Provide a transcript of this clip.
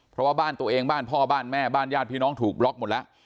เพราะว่าบ้านตัวเองบ้านพ่อบ้านแม่บ้านญาติพี่น้องถูกบล็อกหมดแล้ว